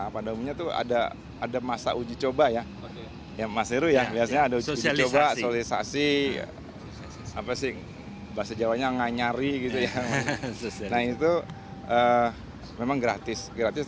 pada umumnya ada masa uji coba sosialisasi bahasa jawa nganyari itu memang gratis